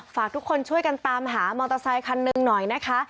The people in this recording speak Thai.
ฝากทุกคนช่วยกันตามหามอเตอร์ไซคันหนึ่งหน่อยนะคะ